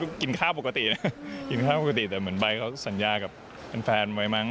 จริงกินข้าวปกติแต่เหมือนใบ้เขาสัญญากับเป็นแฟนไว้มั้ง